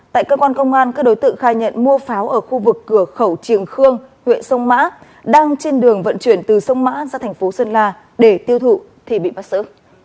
tại cơ quan công an các đối tượng khai nhận mua pháo ở khu vực cửa khẩu triềng khương huyện sông mã đang trên đường vận chuyển từ sông mã ra thành phố sơn la để tiêu thụ thì bị bắt xử